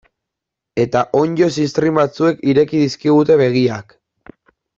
Eta onddo ziztrin batzuek ireki dizkigute begiak.